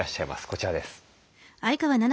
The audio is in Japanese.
こちらです。